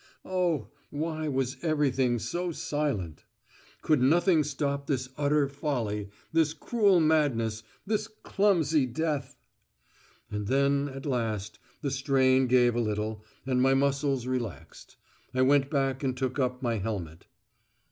Oh! why was everything so silent? Could nothing stop this utter folly, this cruel madness, this clumsy death? And then, at last, the strain gave a little, and my muscles relaxed. I went back and took up my helmet.